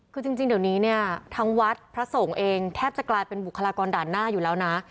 คือจริงเดี๋ยวนี้เนี่ยทั้งวัดพระสงฆ์เองแทบจะกลายเป็นบุคลากรด่านหน้าอยู่แล้วนะ